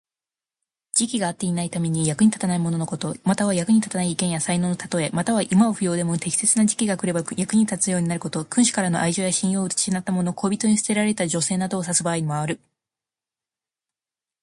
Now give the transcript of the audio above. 時期が合っていないために、役に立たないもののこと。または、役に立たない意見や才能のたとえ。または、今は不要でも適切な時期が来れば役に立つようになること。君主からの愛情や信用を失ったもの、恋人に捨てられた女性などを指す場合もある。